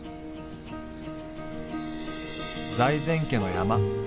財前家の山。